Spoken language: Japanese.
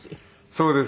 そうですね。